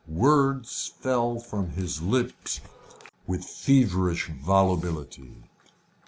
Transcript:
Words fell from his lips with feverish volubility.